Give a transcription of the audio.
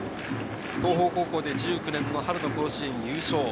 東邦高校で１９年の春の甲子園優勝。